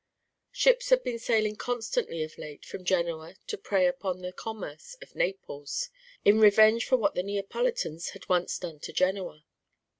Ships had been sailing constantly of late from Genoa to prey upon the commerce of Naples, in revenge for what the Neapolitans had once done to Genoa.